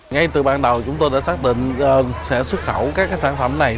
ngay từ ban đầu chúng tôi đã xác định sẽ xuất khẩu các sản phẩm này